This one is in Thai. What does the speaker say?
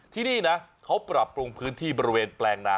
ที่นี่นะเขาปรับปรุงพื้นที่บริเวณแปลงนา